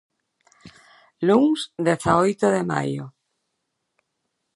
Luns dezaoito de maio.